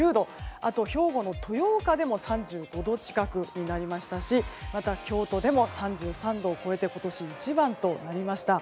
あと、兵庫県の豊岡でも３５度近くになりましたしまた京都でも３３度を超えて今年一番となりました。